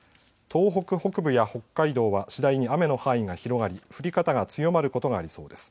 東北北部や北海道は次第に雨の範囲が広がり降り方が強まることがありそうです。